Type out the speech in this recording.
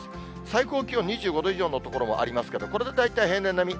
最高気温２５度以上の所もありますけれども、これで大体、平年並み。